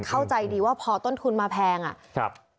เข้าใจดีว่าพอต้นทุนมาแพงอ่ะครับ